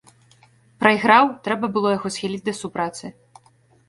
Прайграў, трэба было яго схіліць да супрацы.